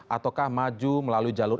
ataukah maju melalui jalur